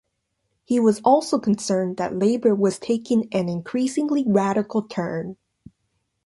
He was also concerned that Labor was taking an increasingly radical turn.